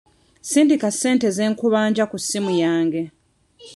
Sindika ssente ze nkubanja ku ssimu yange.